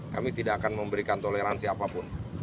kami tidak akan memberikan toleransi apapun